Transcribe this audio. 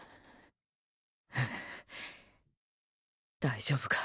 大丈夫か。